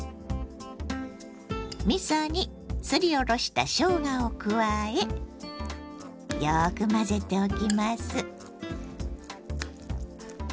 みそにすりおろしたしょうがを加えよく混ぜておきます。